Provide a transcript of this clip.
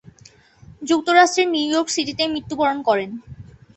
যুক্তরাষ্ট্রের New York সিটিতে মৃত্যুবরণ করেন।